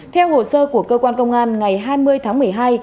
theo hồ sơ của cơ quan công an ngày hai mươi tháng một mươi hai